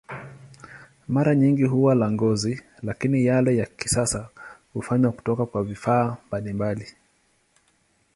Mara nyingi huwa la ngozi, lakini yale ya kisasa hufanywa kutoka kwa vifaa mbalimbali.